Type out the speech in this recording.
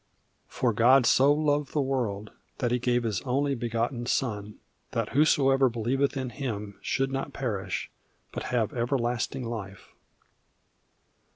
"For God so loved the world, that he gave his only begotten Son, that whosoever believeth in him should not perish, but have everlasting life."